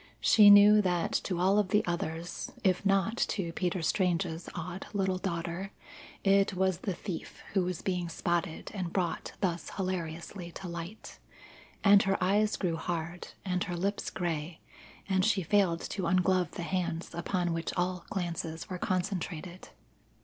She knew that to all of the others, if not to Peter Strange's odd little daughter, it was the thief who was being spotted and brought thus hilariously to light. And her eyes grew hard, and her lips grey, and she failed to unglove the hands upon which all glances were concentrated.